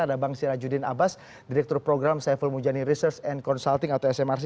ada bang sirajudin abbas direktur program saiful mujani research and consulting atau smrc